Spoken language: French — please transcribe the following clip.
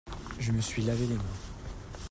Je me suis lavé les mains.